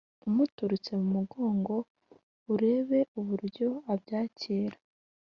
umuturutse mu mugongo, urebe uburyo abyakira.